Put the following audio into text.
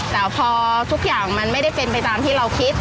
แต่พอทุกอย่างมันไม่ได้เป็นไปตามที่เราคิด